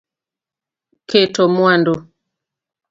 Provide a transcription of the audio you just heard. Keto mwandu